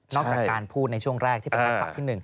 จากการพูดในช่วงแรกที่เป็นทักษะที่๑